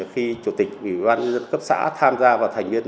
khi chủ tịch ủy ban dân cấp xã tham gia vào thành viên